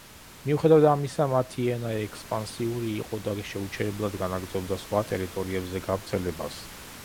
მიუხედავად ამისა მათი ენა ექსპანსიური იყო და შეუჩერებლად განაგრძობდა სხვა ტერიტორიებზე გავრცელებას.